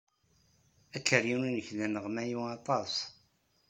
Akeryun-nnek d aneɣmayu aṭas.